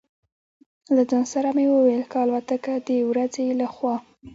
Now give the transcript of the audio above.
له ځان سره مې وویل: که الوتکه د ورځې له خوا.